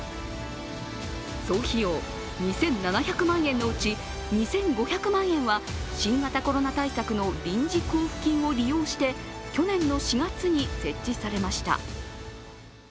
総費用２７００万円のうち２５００万円は新型コロナ対策の臨時交付金を利用して去年の４月に設置されました。